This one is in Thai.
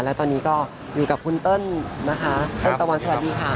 และตอนนี้ก็อยู่กับคุณเติ้ลนะคะเติ้ลตะวันสวัสดีค่ะ